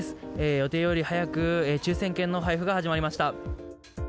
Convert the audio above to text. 予定より早く抽せん券の配布が始まりました。